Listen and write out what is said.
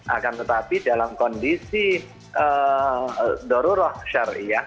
akan tetapi dalam kondisi darurah syariah